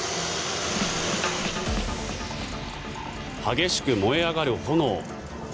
激しく燃え上がる炎。